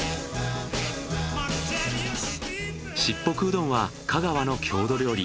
しっぽくうどんは香川の郷土料理。